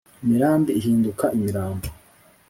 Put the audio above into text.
Imirambi ihinduka imirambo